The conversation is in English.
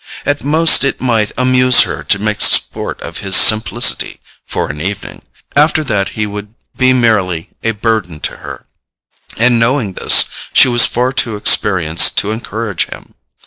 At most it might amuse her to make sport of his simplicity for an evening—after that he would be merely a burden to her, and knowing this, she was far too experienced to encourage him.